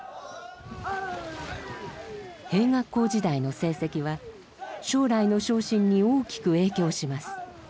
兵学校時代の成績は将来の昇進に大きく影響します。